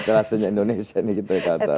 etalasenya indonesia ini kita katakan